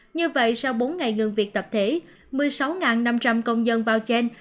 như vậy sau bốn ngày ngừng việc tập thể một mươi sáu năm trăm linh công nhân bao danh